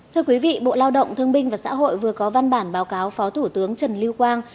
thưa quý vị bộ lao động thương binh và xã hội vừa có văn bản báo cáo phó thủ tướng trần lưu quang